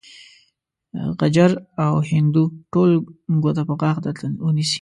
غجر او هندو ټول ګوته په غاښ درته ونيسي.